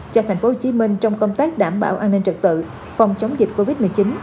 cho thành phố hồ chí minh trong công tác đảm bảo an ninh trật tự phòng chống dịch covid một mươi chín